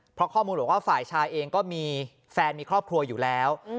เพราะข้อมูลบอกว่าฝ่ายชายเองก็มีแฟนมีครอบครัวอยู่แล้ว